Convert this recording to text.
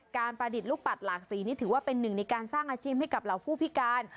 ประดิษฐ์ลูกปัดหลากสีนี่ถือว่าเป็นหนึ่งในการสร้างอาชีพให้กับเหล่าผู้พิการ